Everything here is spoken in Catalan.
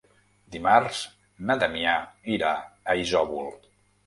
Dimarts na Damià irà a Isòvol.